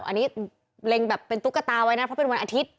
อันนี้เล็งแบบเป็นตุ๊กตาไว้นะเพราะเป็นวันอาทิตย์